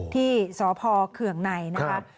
ที่สภเขื่องในนะครับ